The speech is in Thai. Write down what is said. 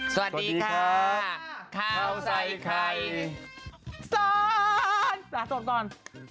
สวัสดีค่ะข้าวใส่ไข่สอนสอนก่อน